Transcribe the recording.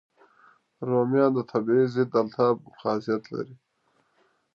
رومیان طبیعي ضد التهاب خاصیت لري.